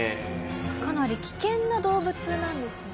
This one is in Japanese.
かなり危険な動物なんですよね。